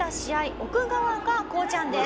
奥側がこうちゃんです。